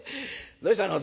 どうしたの？